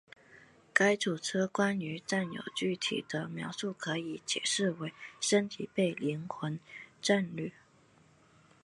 该组织关于占有躯体的描述可以解释为身体被灵魂占据。